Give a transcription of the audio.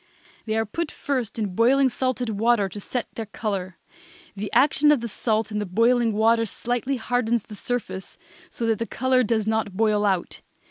They are put first in boiling salted water to set their color. The action of the salt in the boiling water slightly hardens the surface so that the color does not boil out.